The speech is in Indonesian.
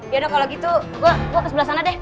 yaudah kalau gitu gue ke sebelah sana deh